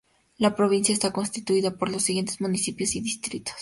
La provincia está constituida por los siguientes municipios y distritos.